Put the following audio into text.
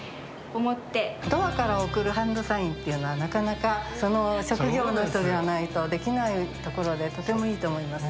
「ドアから送るハンドサイン」っていうのはなかなかその職業の人じゃないとできないところでとてもいいと思います。